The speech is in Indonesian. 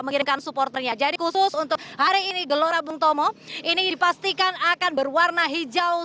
mengirimkan supporternya jadi khusus untuk hari ini gelora bung tomo ini dipastikan akan berwarna hijau